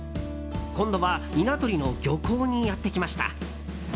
今度は稲取の漁港にやってきました。